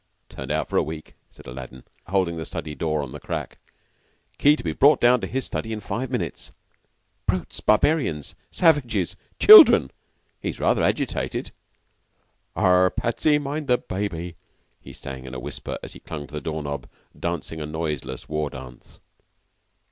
"Turned out for a week," said Aladdin, holding the study door on the crack. "Key to be brought down to his study in five minutes. 'Brutes! Barbarians! Savages! Children!' He's rather agitated. 'Arrah, Patsy, mind the baby,'" he sang in a whisper as he clung to the door knob, dancing a noiseless war dance.